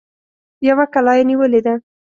يوه کلا يې نيولې ده.